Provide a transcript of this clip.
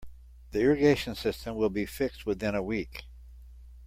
The irrigation system will be fixed within a week.